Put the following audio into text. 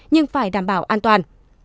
nhưng phải đảm bảo an toàn